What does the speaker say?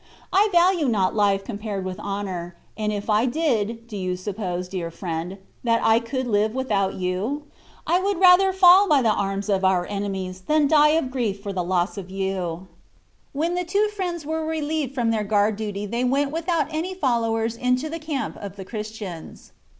I value not life compared with honor, and if I did, do you suppose, dear friend, that I could live without you? I would rather fall by the arms of our enemies than die of grief for the loss of you." When the two friends were relieved from their guard duty they went without any followers into the camp of the Christians.